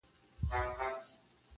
په حيرت حيرت يې وكتل مېزونه؛